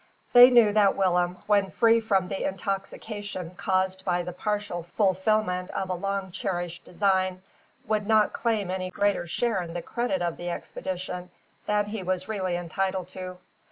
They knew that Willem, when free from the intoxication caused by the partial fulfilment of a long cherished design, would not claim any greater share in the credit of the expedition than he was really entitled to.